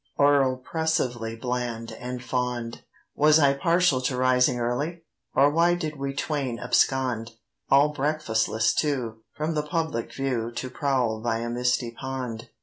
Or oppressively bland and fond? Was I partial to rising early? Or why did we twain abscond, All breakfastless too, from the public view To prowl by a misty pond?